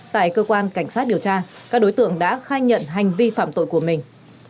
tại cơ quan cảnh sát điều tra các đối tượng đã khai nhận hành vi phạm tội của mình